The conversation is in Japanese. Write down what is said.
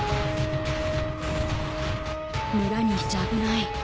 村にいちゃ危ない。